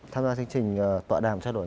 tham gia chương trình tọa đàm trao đổi